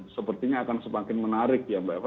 sepertinya akan semakin menarik ya mbak eva